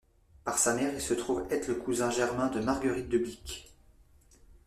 Par sa mère, il se trouve être le cousin germain de Marguerite de Blic.